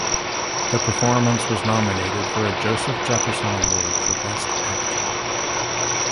The performance was nominated for a Joseph Jefferson Award for best actor.